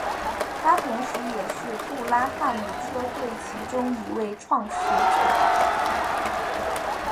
他同时也是布拉汉姆车队其中一位创始者。